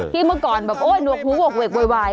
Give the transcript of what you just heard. เมื่อก่อนแบบโอ๊ยหนวกหูหกเวกโวยวาย